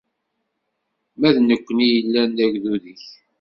Ma d nekkni yellan d agdud-ik.